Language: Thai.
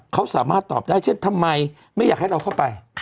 เขาสามารถตอบได้เช่นทำไมไม่อยากให้เราเข้าไป